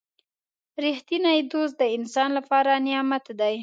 • رښتینی دوست د انسان لپاره نعمت دی.